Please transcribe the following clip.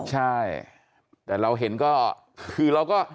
ใช่แต่เราเห็นก็คือเราก็